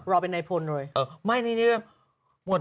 รอไปในพลเลย